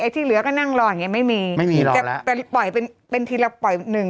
ที่เหลือก็นั่งรออย่างเงี้ไม่มีไม่มีแต่ปล่อยเป็นเป็นทีละปล่อยหนึ่ง